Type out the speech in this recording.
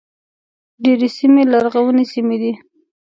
ډېرې سیمې لرغونې سیمې دي.